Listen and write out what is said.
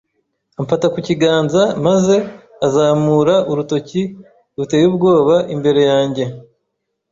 amfata ku kiganza maze azamura urutoki ruteye ubwoba imbere yanjye.